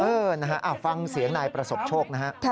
เออฟังเสียงนายประศกโชคนะครับ